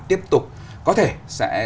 tiếp tục có thể sẽ